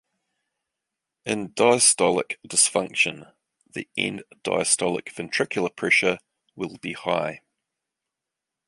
In diastolic dysfunction, the end-diastolic ventricular pressure will be high.